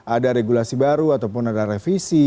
ada regulasi baru ataupun ada revisi